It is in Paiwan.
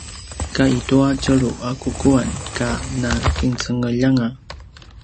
ka i tua tjelu a kukuan ka nakincengeljanga